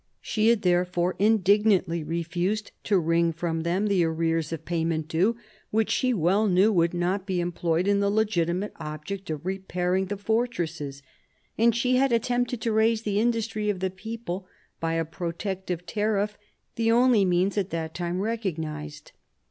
She had therefore indignantly refused to wring from them the arrears of payment due, which she well knew would not be employed in the legitimate object of repairing the fortresses ; and she had attempted to raise ,the industry of the people by a protective tariff, the only means at that time recognised.